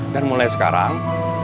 dan mulai sekarang